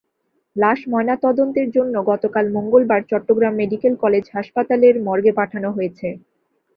লাশ ময়নাতদন্তের জন্য গতকাল মঙ্গলবার চট্টগ্রাম মেডিকেল কলেজ হাসপাতালের মর্গে পাঠানো হয়েছে।